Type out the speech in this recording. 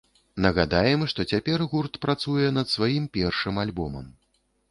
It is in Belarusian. Нагадаем, што цяпер гурт працуе над сваім першым альбомам.